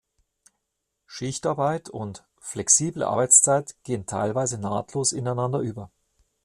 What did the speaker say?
Schichtarbeit und „flexible Arbeitszeit“ gehen teilweise nahtlos ineinander über.